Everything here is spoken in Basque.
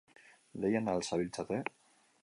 Lehian al zabiltzate?